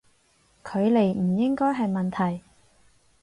距離唔應該係問題